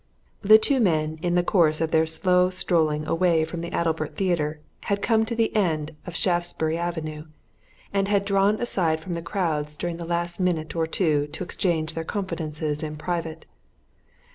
The two men in the course of their slow strolling away from the Adalbert Theatre had come to the end of Shaftesbury Avenue, and had drawn aside from the crowds during the last minute or two to exchange their confidences in private.